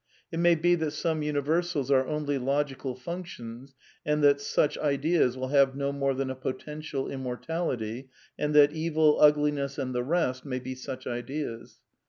It may be that some universals are only logical func tions, and that such Ideas will have no more than a poten tial immortality, and that evil, ugliness, and the rest may be such Ideas.